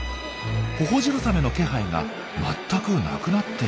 ホホジロザメの気配が全く無くなっています。